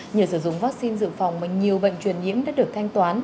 nhờ sử dụng vaccine dự phòng mà nhiều bệnh truyền nhiễm đã được thanh toán